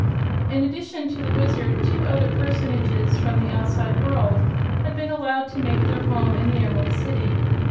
In addition to the Wizard two other personages from the outside world had been allowed to make their home in the Emerald City.